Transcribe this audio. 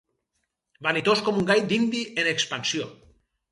Vanitós com un gall dindi en expansió.